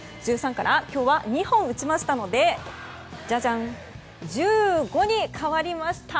１３から今日は２本打ちましたのでじゃじゃん１５に変わりました！